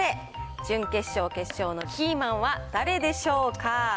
準決勝、決勝のキーマンは誰でしょうか。